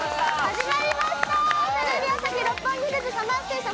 始まりました！